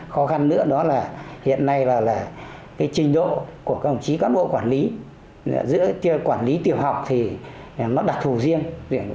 khó khăn nữa đó là hiện nay là cái trình độ của các ông chí cán bộ quản lý giữa quản lý tiểu học thì nó đặc thù riêng